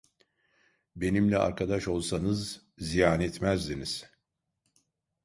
Benimle arkadaş olsanız ziyan etmezdiniz!